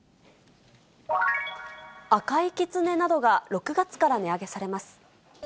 赤いきつねなどが６月から値上げされます。